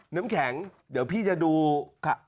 น้ำแข็งเดี๋ยวพี่จะดูค่ะ